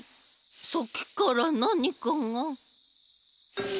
さっきからなにかが。